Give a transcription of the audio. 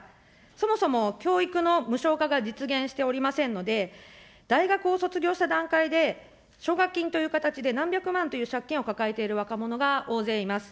そもそも教育の無償化が実現しておりませんので、大学を卒業した段階で、奨学金という形で何百万という借金を抱えている若者が大勢います。